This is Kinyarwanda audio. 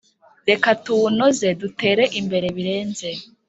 Reka tuwunoze dutere imbere birenze.